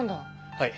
はい。